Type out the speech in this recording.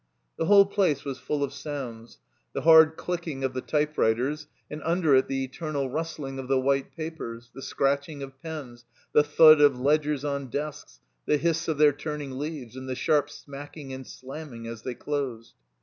The whole place was full of sounds: the hard clicking of the typewriters, and imder it the eternal rustling of the white papers, the scratcfaing of pais, 6a THE COMBINED MAZE the thud of ledgers on desks, the hiss of their turning leaves, and the sharp smacking and slamming as they dosed.